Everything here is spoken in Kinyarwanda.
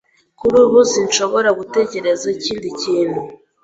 Kuri ubu sinshobora gutekereza ikindi kintu.